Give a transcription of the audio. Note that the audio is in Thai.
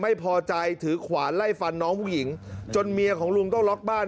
ไม่พอใจถือขวานไล่ฟันน้องผู้หญิงจนเมียของลุงต้องล็อกบ้าน